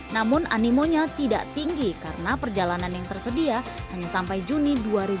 namun animonya tidak tinggi karena perjalanan yang tersedia hanya sampai juni dua ribu dua puluh